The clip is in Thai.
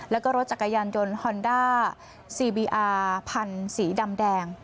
แล้วก็รถจักรยานยนต์ฮอนด้าซีบีอาร์พันธุ์สีดำแดง